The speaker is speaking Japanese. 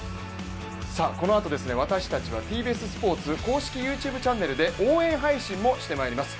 このあと、私たちはＴＢＳスポーツ公式スポーツチャンネルで応援配信もしてまいります。